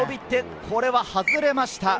これは外れました。